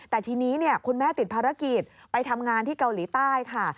แต่ทีนี้คุณแม่ติดภารกิจไปทำงานที่เกาหลีใต้ค่ะ